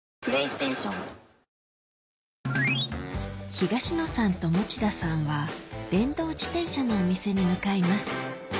東野さんと持田さんは電動自転車のお店に向かいます